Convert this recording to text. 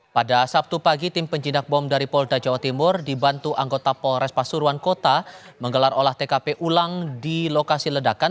pada sabtu pagi tim penjinak bom dari polda jawa timur dibantu anggota polres pasuruan kota menggelar olah tkp ulang di lokasi ledakan